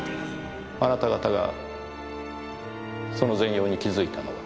あなた方がその全容に気づいたのは？